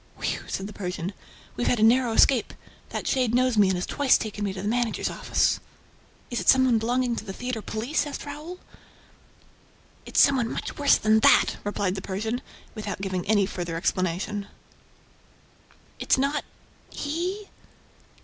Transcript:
"Whew!" said the Persian. "We've had a narrow escape; that shade knows me and has twice taken me to the managers' office." "Is it some one belonging to the theater police?" asked Raoul. "It's some one much worse than that!" replied the Persian, without giving any further explanation. "It's not ... he?"